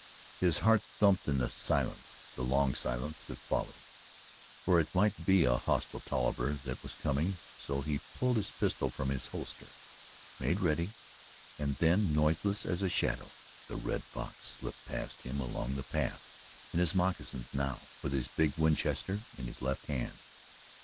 His heart thumped in the silence the long silence that followed for it might be a hostile Tolliver that was coming, so he pulled his pistol from his holster, made ready, and then, noiseless as a shadow, the Red Fox slipped past him along the path, in his moccasins now, and with his big Winchester in his left hand.